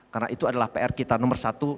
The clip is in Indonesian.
karena itu adalah pr kita nomor satu